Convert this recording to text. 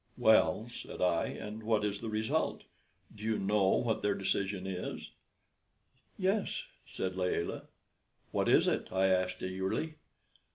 "Well," said I, "and what is the result? Do you know what their decision is?" "Yes," said Layelah. "What is it?" I asked, eagerly.